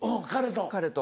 彼と。